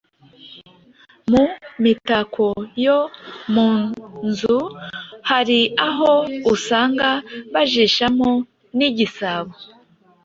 Mu mitako yo mu nzu hari aho usanga bajishamo n’igisabo.